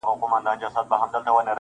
هر نظر دي زما لپاره د فتنو دی.